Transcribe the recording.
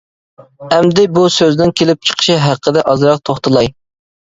ئەمدى بۇ سۆزنىڭ كېلىپ چىقىشى ھەققىدە ئازراق توختىلاي.